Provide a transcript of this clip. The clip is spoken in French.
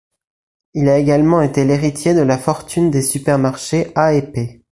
Il a également été l'héritier de la fortune des supermarchés A&P.